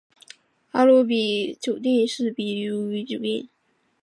阿斯托瑞亚丹比乌斯酒店由丹比乌斯酒店集团管理经营。